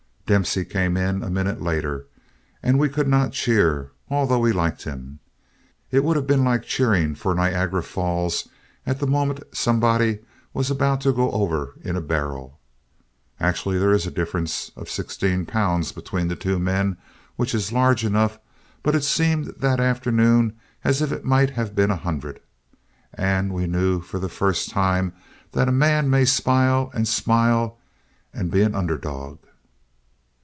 Dempsey came in a minute later and we could not cheer, although we liked him. It would have been like cheering for Niagara Falls at the moment somebody was about to go over in a barrel. Actually there is a difference of sixteen pounds between the two men, which is large enough, but it seemed that afternoon as if it might have been a hundred. And we knew for the first time that a man may smile and smile and be an underdog.